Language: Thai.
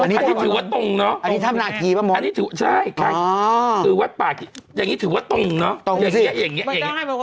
อันนี้ถือว่าตรงเนอะอันนี้ถือว่าตรงเนอะ